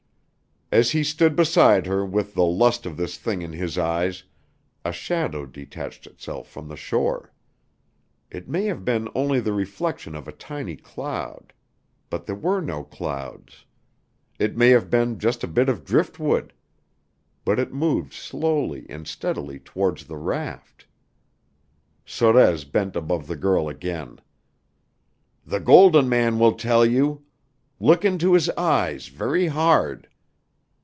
As he stood beside her with the lust of this thing in his eyes, a shadow detached itself from the shore. It may have been only the reflection of a tiny cloud. But there were no clouds. It may have been just a bit of driftwood. But it moved slowly and steadily towards the raft. Sorez bent above the girl again. "The Golden Man will tell you. Look into his eyes very hard."